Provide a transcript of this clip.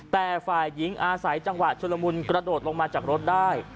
แต่ฝ่ายหญิงอาศัยจังหวะชุลมุนกระโดดลงมาจากรถได้